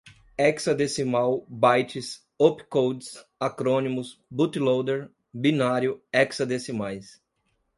Hexadecimal, bytes, opcodes, acrônimos, bootloader, binário, hexadecimais